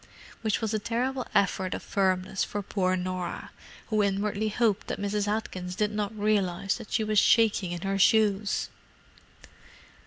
Which was a terrible effort of firmness for poor Norah, who inwardly hoped that Mrs. Atkins did not realize that she was shaking in her shoes!